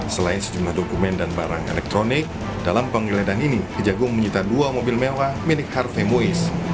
selain sejumlah dokumen dan barang elektronik dalam penggeledahan ini kejagung menyita dua mobil mewah milik karve muiz